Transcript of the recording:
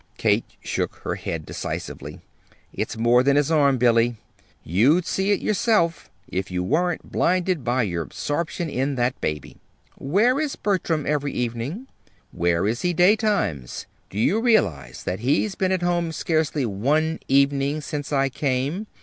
Kate shook her head decisively. "It's more than his arm, Billy. You'd see it yourself if you weren't blinded by your absorption in that baby. Where is Bertram every evening? Where is he daytimes? Do you realize that he's been at home scarcely one evening since I came?